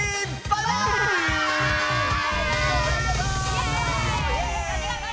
イエーイ！